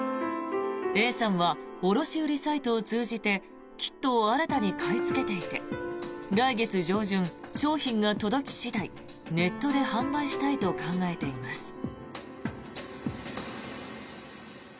Ａさんは卸売りサイトを通じてキットを新たに買いつけていて来月上旬、商品が届き次第ネットで販売したいと考えています。